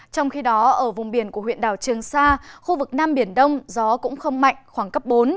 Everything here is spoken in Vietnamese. trong khi đó ở vùng biển của huyện đảo trường sa khu vực nam biển đông gió cũng không mạnh khoảng cấp bốn